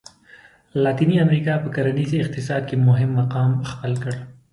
لاتیني امریکا په کرنیز اقتصاد کې مهم مقام خپل کړ.